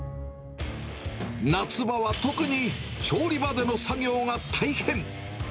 夏場は特に調理場での作業が大変。